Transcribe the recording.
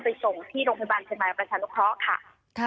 ไปส่งที่โรงพยาบาลภรรยาประชาลกฮค่ะ